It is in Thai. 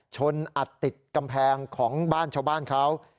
ชนอัดติดกำแพงของบ้านชาวบ้านเขา